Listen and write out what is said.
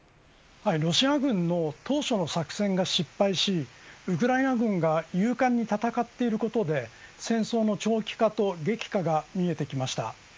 ロシア軍の当初の作戦が失敗しウクライナ軍が勇敢に戦っていることで戦争の長期化と激化が見えてきました。